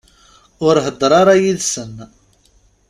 Ur heddeṛ ara yid-sen.